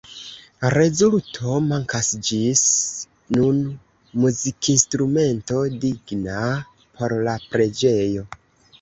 Rezulto: Mankas ĝis nun muzikinstrumento digna por la preĝejo.